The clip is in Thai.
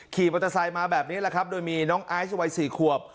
ขี่มอเตอร์ไซค์มาแบบนี้แหละครับโดยมีน้องไอซ์วัย๔ขวบ